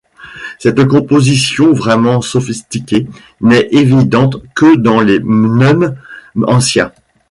Cette composition vraiment sophistiquée n'est évidente que dans les neumes anciens.